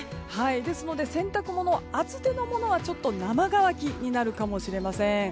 ですので洗濯物厚手のものは生乾きになるかもしれません。